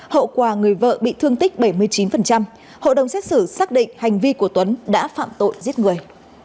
hậu quả người vợ bị thương tích bảy mươi chín hộ đồng xét xử xác định hành vi của tuấn đã phạm tội giết người